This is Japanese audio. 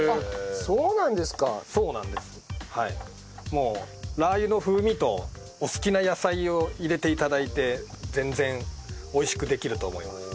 もうラー油の風味とお好きな野菜を入れて頂いて全然美味しくできると思います。